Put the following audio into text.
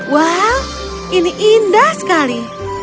wow ini indah sekali